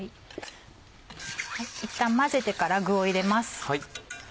いったん混ぜてから具を入れます。